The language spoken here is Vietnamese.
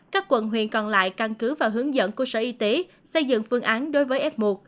các quận huyện còn lại căn cứ và hướng dẫn của sở y tế xây dựng phương án đối với f một